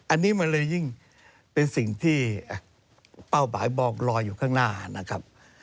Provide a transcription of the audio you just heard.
อันนี้มันเลยยิ่งเป็นสิ่งที่เป้าหมายบอกลอยอยู่ข้างหน้านะครับ